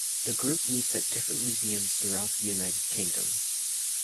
The group meets at different museums throughout the United Kingdom.